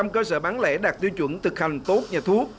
một trăm linh cơ sở bán lẻ đạt tiêu chuẩn thực hành tốt nhà thuốc